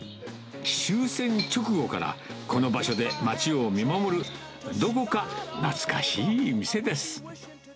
終戦直後からこの場所で町を見守る、どこか懐かしい店です。